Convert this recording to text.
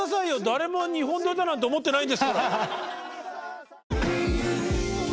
誰も２本撮りだなんて思ってないんですから。